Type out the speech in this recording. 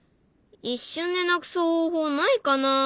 一瞬でなくす方法ないかな？